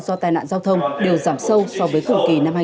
do tàn nạn giao thông đều giảm sâu so với cuối kỳ năm hai nghìn hai mươi